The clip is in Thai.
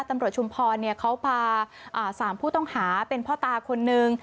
ชุมพรเขาพา๓ผู้ต้องหาเป็นพ่อตาคนนึง